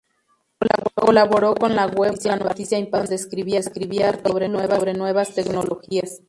Colaboró con la web "La Noticia Imparcial", donde escribía artículos sobre nuevas tecnologías.